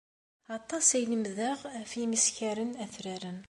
Aṭas i lemdeɣ ɣef yimeskaren atraren.